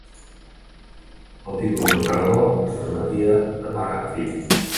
El títol d'emperador es transmetia de pare a fill.